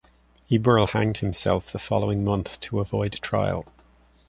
Eberl hanged himself the following month to avoid trial.